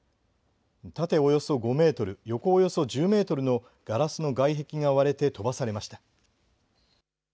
縦およそ５メートル横およそ１０メートルのガラスの外壁が割れて飛ばされました。